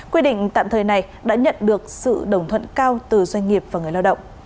quy định tạm thời này đã nhận được sự đồng thuận cao từ doanh nghiệp và người lao động